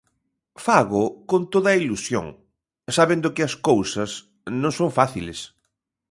Fágoo con toda a ilusión, sabendo que as cousas non son fáciles.